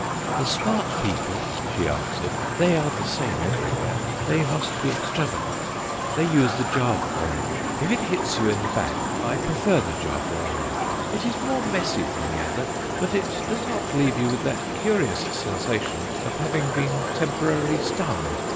"The smart people," she answered, "they are the same everywhere—they must be extravagant—they use the Java orange. If it hits you in the back I prefer the Java orange. It is more messy than the other, but it does not leave you with that curious sensation of having been temporarily stunned.